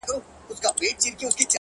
ریښتینی ملګری په سختۍ پېژندل کېږي